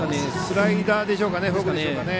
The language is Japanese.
スライダーでしょうかフォークでしょうかね。